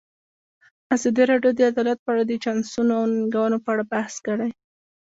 ازادي راډیو د عدالت په اړه د چانسونو او ننګونو په اړه بحث کړی.